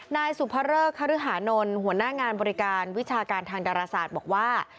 นายสุภเริกคฤหานนท์หัวหน้างานบริการวิชาการทางดาราศาสตร์บอกว่า